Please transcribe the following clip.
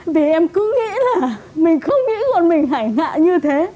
vì em cứ nghĩ là mình không nghĩ con mình hải ngạ như thế